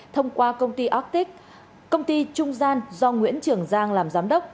thông qua công ty ortic công ty trung gian do nguyễn trường giang làm giám đốc